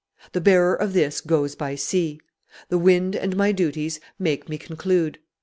The bearer of this goes by sea. The wind and my duties make me conclude.